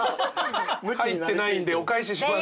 入ってないんでお返しします。